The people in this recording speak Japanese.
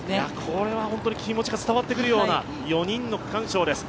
これは本当に気持ちが伝わってくるような４人の区間賞です。